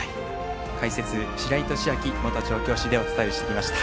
解説、白井寿昭元調教師でお伝えをしていきました。